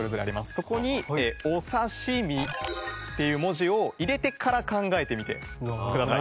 そこに「おさしみ」っていう文字を入れてから考えてみてください。